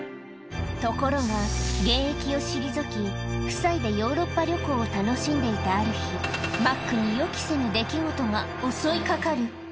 ところが現役を退き、夫妻でヨーロッパ旅行を楽しんでいたある日、マックに予期せぬ出来事が襲いかかる。